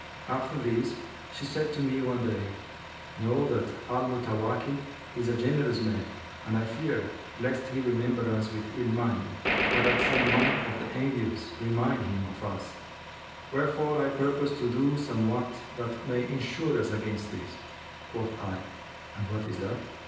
After this, she said to me one day, 'Know that Al Mutawakkil is a generous man and I fear lest he remember us with ill mind, or that some one of the envious remind him of us; wherefore I purpose to do somewhat that may ensure us against this.' Quoth I, 'And what is that?